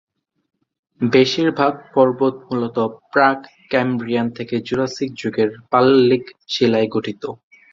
বেশিরভাগ পর্বত মূলত প্রাক-ক্যাম্ব্রিয়ান থেকে জুরাসিক যুগের পাললিক শিলায় গঠিত।